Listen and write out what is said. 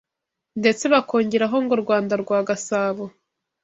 Ndetse bakongeraho ngo “Rwanda rwa Gasabo